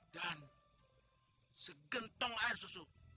dan segentong air susu